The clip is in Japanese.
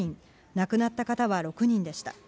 亡くなった方は６人でした。